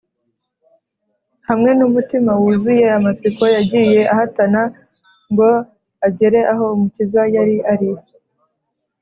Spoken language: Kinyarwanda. Hamwe n’umutima wuzuye amatsiko, yagiye ahatana ngo agere aho Umukiza yari ari